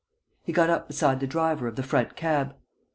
He got up beside the driver of the front cab.